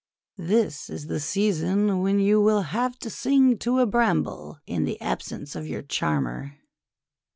This is the season when you will have to sing to a Bramble in the ab sence of your charmer!'